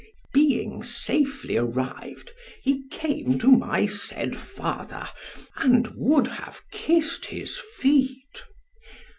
Being safely arrived, he came to my said father, and would have kissed his feet.